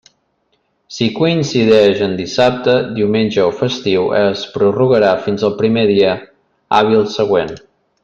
Si coincideix en dissabte, diumenge o festiu, es prorrogarà fins al primer dia hàbil següent.